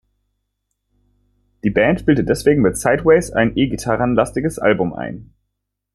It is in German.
Die Band spielte deswegen mit "Sideways" ein E-Gitarren-lastiges Album ein.